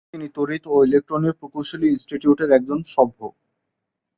এছাড়া তিনি তড়িৎ ও ইলেকট্রনীয় প্রকৌশলী ইন্সটিটিউটের একজন সভ্য।